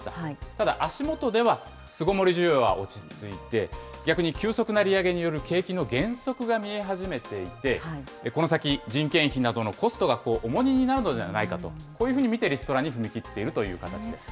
ただ、足元では巣ごもり需要は落ち着いて、逆に急速な利上げによる景気の減速が見え始めていて、この先、人件費などのコストが重荷になるのではないかと、こういうふうに見て、リストラに踏み切っている状況です。